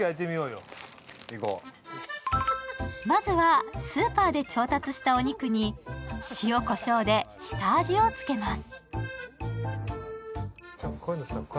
まずは、スーパーで調達したお肉に塩こしょうで下味をつけます。